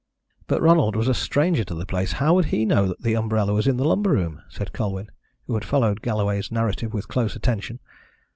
"But Ronald was a stranger to the place. How would he know the umbrella was in the lumber room?" said Colwyn, who had followed Galloway's narrative with close attention.